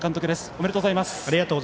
ありがとうございます。